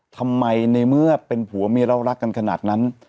ทำไมในเมื่อเป็นผัวเมียเรารักกันขนาดนั้น